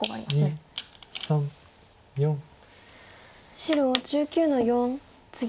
白１９の四ツギ。